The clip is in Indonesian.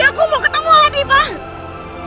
aku mau ketemu adi